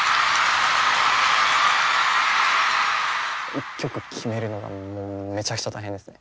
一曲決めるのがもうめちゃくちゃ大変ですね。